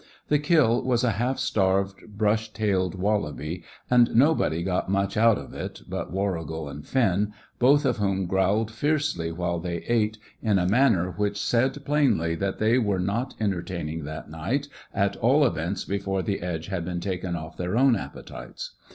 The kill was a half starved brush tailed wallaby, and nobody got much out of it but Warrigal and Finn, both of whom growled fiercely while they ate, in a manner which said plainly that they were not entertaining that night, at all events before the edge had been taken off their own appetites.